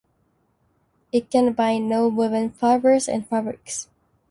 It can bind non-woven fibers and fabrics.